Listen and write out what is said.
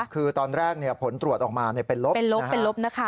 คือตอนแรกเนี่ยผลตรวจออกมาเป็นลบนะคะ